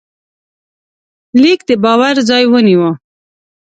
لیک د باور ځای ونیو.